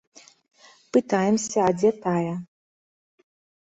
Пытаемся, а дзе тая.